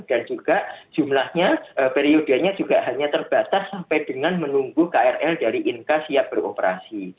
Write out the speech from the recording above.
dan juga jumlahnya periodenya juga hanya terbatas sampai dengan menunggu krl dari inka siap beroperasi